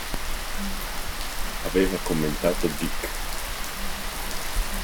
Aveva commentato Dick.